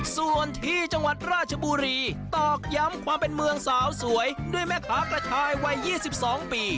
ส่วนที่จังหวัดราชบุรีตอกย้ำความเป็นเมืองสาวสวยด้วยแม่ค้ากระชายวัย๒๒ปี